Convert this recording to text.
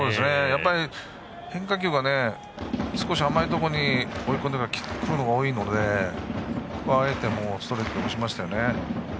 やっぱり変化球が少し甘いところにくるのが多いのでここはあえてストレートで押しましたよね。